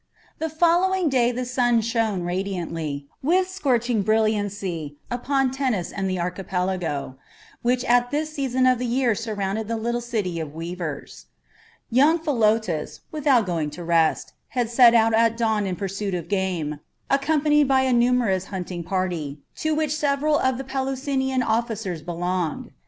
The following day the sun shone radiantly, with scorching brilliancy, upon Tennis and the archipelago, which at this season of the year surrounded the little city of weavers. Young Philotas, without going to rest, had set out at dawn in pursuit of game, accompanied by a numerous hunting party, to which several of the Pelusinian officers belonged.